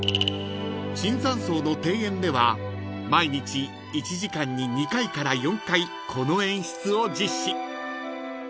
［椿山荘の庭園では毎日１時間に２回から４回この演出を実施］